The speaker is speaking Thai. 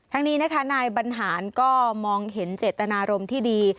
นี้นะคะนายบรรหารก็มองเห็นเจตนารมณ์ที่ดี